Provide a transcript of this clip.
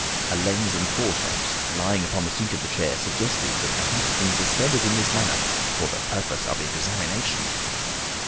A lens and a forceps lying upon the seat of the chair suggested that the hat had been suspended in this manner for the purpose of examination.